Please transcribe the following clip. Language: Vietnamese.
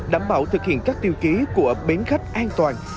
đảm bảo thực hiện các tiêu chí của bến khách an toàn